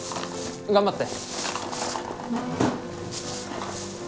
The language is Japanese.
頑張って。